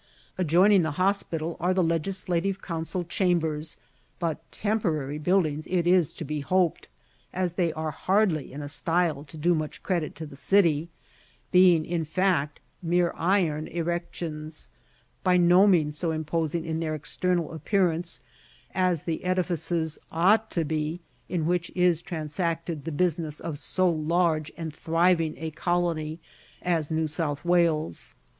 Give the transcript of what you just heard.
Adjoining the hospital, are the Legislative Council Chambers but temporary buildings it is to be hoped, as they are hardly in a style to do much credit to the city, being in fact mere iron erections, by no means so imposing in their external appearance as the edifices ought to be in which is transacted the business of so large and thriving a colony as New. South Wales.